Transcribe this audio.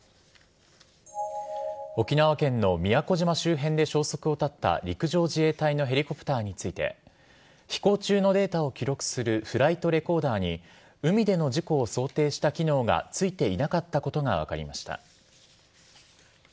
沖縄県の宮古島周辺で消息を絶った陸上自衛隊のヘリコプターについて飛行中のデータを記録するフライトレコーダーに海での事故を想定した機能が付いていなかったことが分かりました。